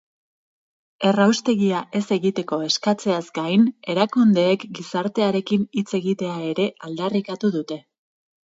Erraustegia ez egiteko eskatzeaz gain, erakundeek gizartearekin hitz egitea ere aldarrikatu dute.